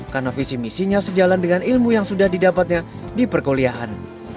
karena visi misinya sejalan dengan ilmu yang sudah didapatnya di perkuliahan